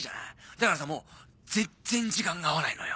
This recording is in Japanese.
だからさもう全然時間が合わないのよ。